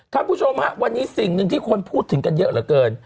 คุณผู้ชมฮะวันนี้สิ่งหนึ่งที่คนพูดถึงกันเยอะเหลือเกิน